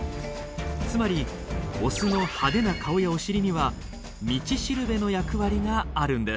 つまりオスの派手な顔やお尻には道しるべの役割があるんです。